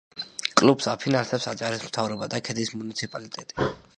კლუბს აფინანსებს აჭარის მთავრობა და ქედის მუნიციპალიტეტი.